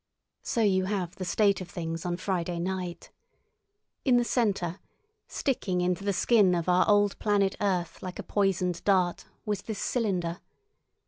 So you have the state of things on Friday night. In the centre, sticking into the skin of our old planet Earth like a poisoned dart, was this cylinder.